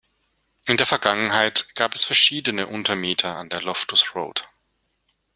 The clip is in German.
In der Vergangenheit gab es verschiedene Untermieter an der Loftus Road.